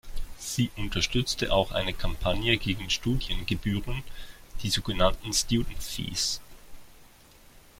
Sie unterstützte auch eine Kampagne gegen Studiengebühren, die sogenannten ‚student fees‘.